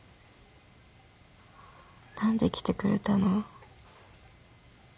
「何で来てくれたの？」